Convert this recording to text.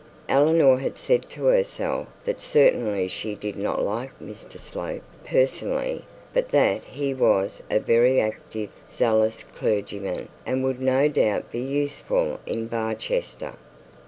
Eleanor had said to herself that certainly she did not like Mr Slope personally, but that he was a very active, zealous, clergyman, and would no doubt be useful in Barchester.